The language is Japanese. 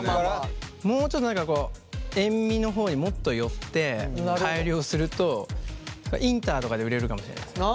もうちょっと何かこう塩味の方にもっと寄って改良するとインターとかで売れるかもしれないですね。